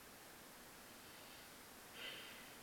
Pro to vše hlasovali a to uvítali liberální demokraté.